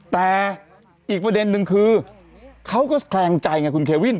แต่อีกประเด็นนึงคือเขาก็แคลงใจไงคุณเควิน